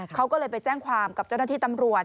เขาก็เลยไปแจ้งความกับเจ้าหน้าที่ตำรวจ